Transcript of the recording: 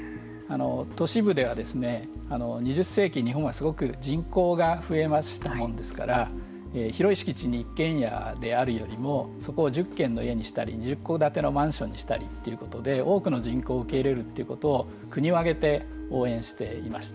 都市部では２０世紀、日本はすごく人口が増えましたもんですから広い敷地に一軒家であるよりもそこを１０軒の家にしたり１０戸建てのマンションにしたりということで多くの人口を受け入れるということを国を挙げて応援していました。